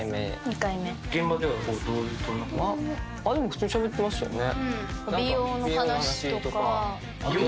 普通にしゃべってましたよね。